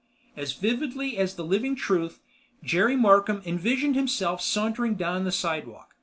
As vividly as the living truth, Jerry Markham envisioned himself sauntering down the sidewalk.